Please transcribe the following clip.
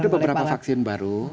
ada beberapa vaksin baru